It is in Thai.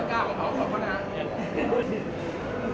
ขอบคุณทุกคนมากครับที่ทุกคนรัก